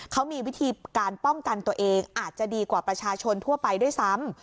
เขามีวิธีการป้องกันตัวเองอาจจะดีกว่าประชาชนทั่วไปด้วยซ้ำ